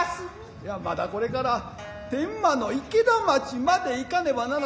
イヤまだこれから天満の池田町まで行かねばならぬ。